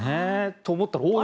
と、思ったらおい